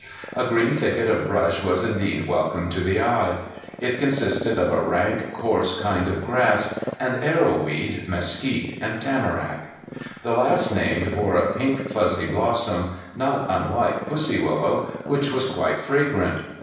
A green thicket of brush was indeed welcome to the eye. It consisted of a rank coarse kind of grass, and arrowweed, mesquite, and tamarack. The last named bore a pink fuzzy blossom, not unlike pussy willow, which was quite fragrant.